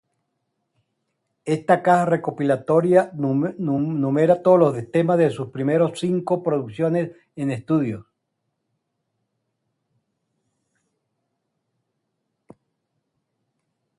Esta caja recopilatoria numera todos los temas de sus primeros cinco producciones en estudio.